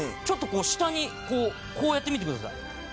ちょっとこう下にこうこうやってみてください。